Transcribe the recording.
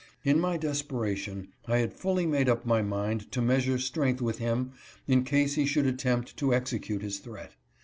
In my desperation I had fully made up my mind to measure strength with him in case he should attempt to execute his threat.